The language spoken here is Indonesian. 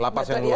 lapas yang luar